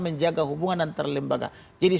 menjaga hubungan antar lembaga jadi